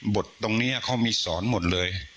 บทตรงเนี่ยเขามีสอนหมดเลย